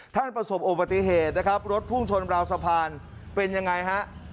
ประสบอุบัติเหตุนะครับรถพุ่งชนราวสะพานเป็นยังไงฮะ